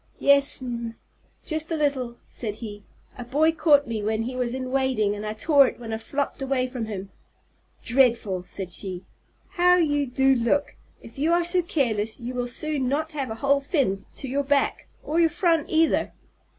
"Yes'm, just a little," said he. "A boy caught me when he was in wading, and I tore it when I flopped away from him." "Dreadful!" said she. "How you do look! If you are so careless, you will soon not have a whole fin to your back or your front either.